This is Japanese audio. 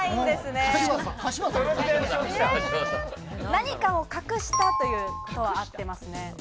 何かを隠したということは、あってますね。